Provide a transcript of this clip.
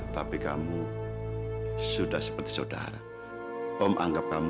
lakukan secepatnya dok